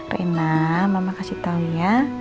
renna mama kasih tahu ya